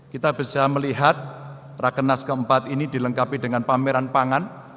kita bisa melihat rakenas keempat ini dilengkapi dengan pameran pangan